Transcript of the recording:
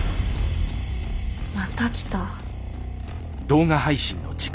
また来た。